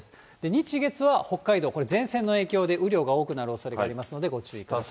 日、月は北海道、これ前線の影響で、雨量が多くなるおそれがありますので、ご注意ください。